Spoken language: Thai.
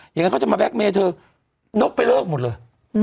อย่างนั้นเขาจะมาแล็กเมย์เธอนกไปเลิกหมดเลย